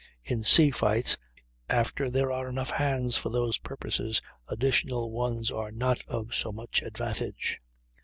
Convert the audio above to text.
In sea fights, after there are enough hands for those purposes additional ones are not of so much advantage.